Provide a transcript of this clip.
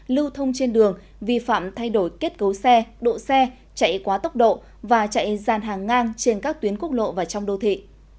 lưu thông trên đường vi phạm thay đổi kết cấu xe độ xe chạy quá tốc độ và chạy dàn hàng ngang trên các tuyến quốc lộ và trong đô thị